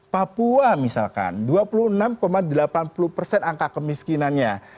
papua misalkan dua puluh enam delapan puluh persen angka kemiskinannya